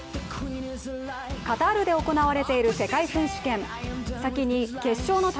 カタールで行われている世界選手権。